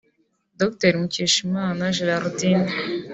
Dr Mukeshimana Geraldine